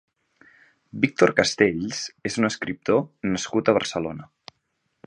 Víctor Castells és un escriptor nascut a Barcelona.